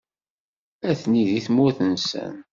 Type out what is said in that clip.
Atni deg tmurt-nsen.